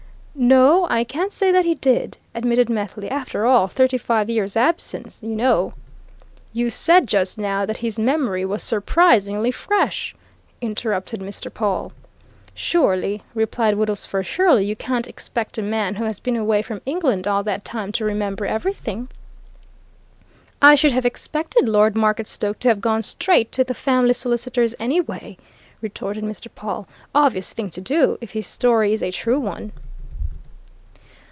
"No, I can't say that he did," admitted Methley. "After all, thirty five years' absence, you know " "You said just now that his memory was surprisingly fresh," interrupted Mr. Pawle. "Surely," replied Woodlesford, "surely you can't expect a man who has been away from England all that time to remember everything!" "I should have expected Lord Marketstoke to have gone straight to the family solicitors, anyway," retorted Mr. Pawle. "Obvious thing to do if his story is a true one."